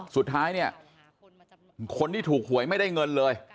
สุดท้ายเนี่ยคนที่ถูกหวยไม่ได้เงินเลย